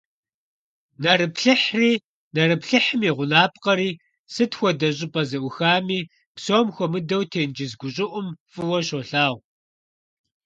Нэрыплъыхьри, нэрыплъыхьым и гъунапкъэри сыт хуэдэ щӀыпӀэ ззӀухами, псом хуэмыдэу тенджыз гущӀыӀум, фӀыуэ щолъагъу.